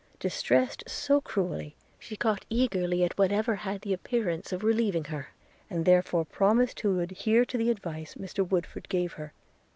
Distressed so cruelly, she caught eagerly at whatever had the appearance of relieving her, and therefore promised to adhere to the advice Mr Woodford gave her.